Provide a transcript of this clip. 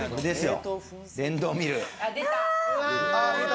電動ミル。